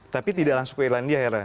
tapi tidak langsung ke irlandia hera